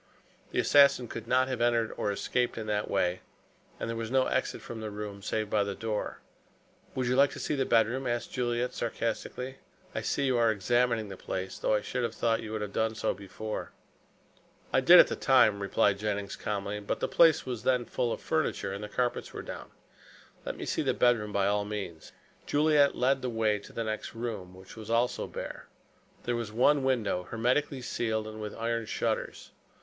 The assassin could not have entered or escaped in that way, and there was no exit from the room save by the door. "Would you like to see the bedroom?" asked Juliet sarcastically. "I see you are examining the place, though I should have thought you would have done so before." "I did at the time," replied Jennings calmly, "but the place was then full of furniture and the carpets were down. Let me see the bedroom by all means." Juliet led the way into the next room, which was also bare. There was one window hermetically sealed and with iron shutters.